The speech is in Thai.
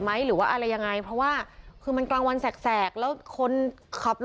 แล้วเดี๋ยวพนักงานจะมาเปิดให้